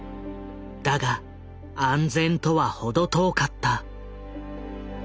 だが安全とは程遠かった。